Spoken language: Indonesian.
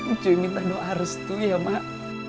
itu minta doa restu ya mak